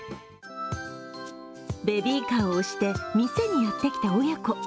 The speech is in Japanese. ベビーカーを押して店にやってきた親子。